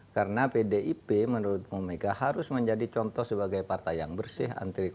karena pdip menurut bu omega harus menjadi contoh sebagai partai yang bersih anti korupsi dan kesehatan